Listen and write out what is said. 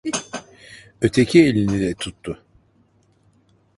Öteki elini de tuttu.